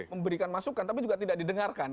memberikan masukan tapi juga tidak didengarkan